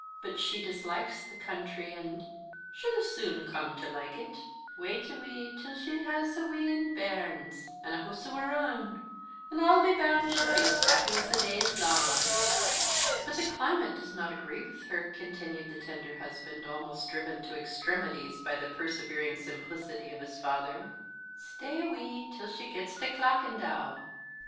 "But she dislikes the country, and " "She'll soon come to like it. Wait a wee till she has a wheen bairns, an' a hoose o' her ain, an' I'll be bound she'll be happy as the day's lang." "But the climate does not agree with her," continued the tender husband, almost driven to extremities by the persevering simplicity of his father. "Stay a wee till she gets to Clackandow!